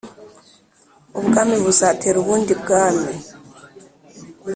Ubwami Buzatera Ubundi Bwami